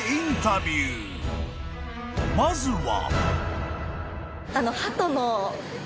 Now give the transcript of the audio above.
［まずは］